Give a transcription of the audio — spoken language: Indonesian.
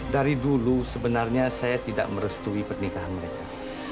dari dulu sebenarnya saya tidak merestui pernikahan mereka